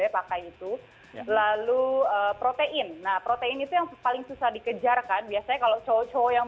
pakai itu lalu protein nah protein itu yang paling susah dikejarkan biasanya kalau cowok cowok yang